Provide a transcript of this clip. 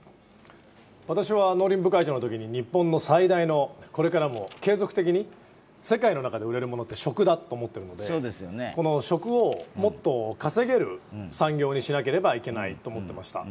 私は農林部会長のときに日本の最大の、これからも継続的に世界の中で売れるものは食だと思っているので食をもっと稼げる産業にしなければいけないと思っていました。